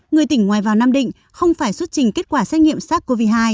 người tỉnh ngoài vào nam định không phải xuất trình kết quả xét nghiệm sars cov hai